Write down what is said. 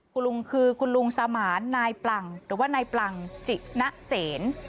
คุณลุงคือคุณลุงสมานนายปลังหรือว่านายปลังจินะเสน